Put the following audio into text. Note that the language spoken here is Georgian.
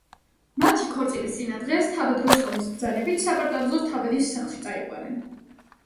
მათი ქორწილის წინა დღეს, თავად როსტომის ბრძანებით, საპატარძლოს თავადის სახლში წაიყვანენ.